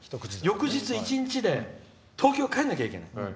翌日、１日で東京、帰らないといけない。